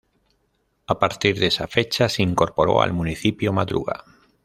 A partir de esa fecha se incorporó al municipio Madruga.